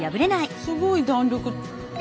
すごい弾力。